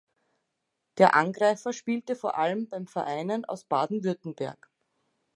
Der Angreifer spielte vor allem bei Vereinen aus Baden-Württemberg.